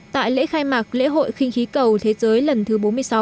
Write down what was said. tại lễ khai mạc lễ hội khinh khí cầu thế giới lần thứ bốn mươi sáu